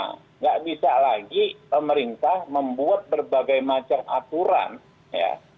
tidak bisa lagi pemerintah membuat berbagai macam aturan ya